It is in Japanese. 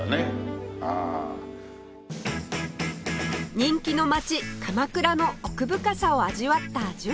人気の街鎌倉の奥深さを味わった純ちゃん